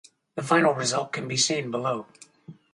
The final result can be seen below.